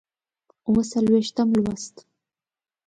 اووه څلوېښتم لوست